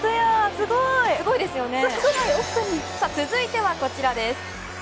すごい！続いてはこちらです。